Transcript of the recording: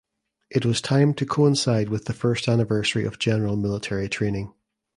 It was timed to coincide with the first anniversary of general military training.